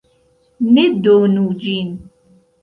Ne donu ĝin!